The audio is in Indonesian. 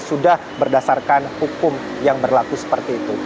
sudah berdasarkan hukum yang berlaku seperti itu